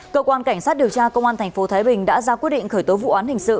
cơ quan cảnh sát điều tra công an tp thái bình đã ra quyết định khởi tố vụ án hình sự